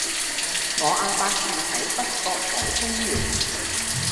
我阿伯住喺北角海峰園